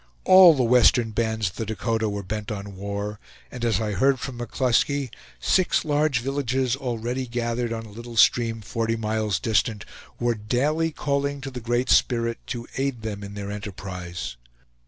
All the western bands of the Dakota were bent on war; and as I heard from McCluskey, six large villages already gathered on a little stream, forty miles distant, were daily calling to the Great Spirit to aid them in their enterprise.